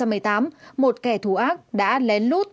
một kẻ thù ác đã lén lút